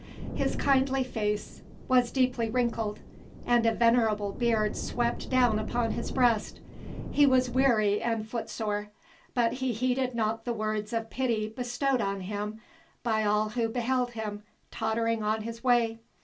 His kindly face was deeply wrinkled, and a venerable beard swept down upon his breast. He was weary and foot sore, but he heeded not the words of pity bestowed on him by all who beheld him tottering on his way.